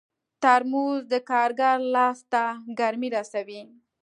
ترموز د کارګر لاس ته ګرمي رسوي.